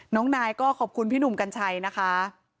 น้องนายก็ขอบคุณพี่หนุ่มกัญชัยนะคะ